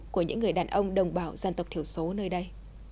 của những người đàn ông đồng bào dân tộc thiểu số nơi đây